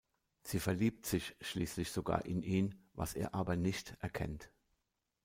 Sie verliebt sich schließlich sogar in ihn, was er aber nicht erkennt.